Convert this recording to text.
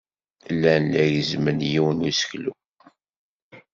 Llan la gezzmen yiwen n useklu.